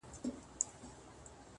خپل هدف ته وفادار پاتې شئ,